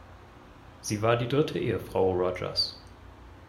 Sie war die dritte Ehefrau Rogers.